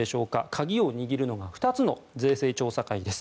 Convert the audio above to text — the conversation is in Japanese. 鍵を握るのが２つの税制調査会です。